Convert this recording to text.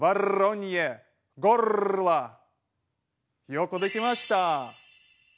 よくできました！